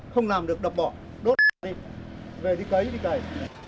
không làm được đập bỏ đốt xe đi về đi cấy đi cấy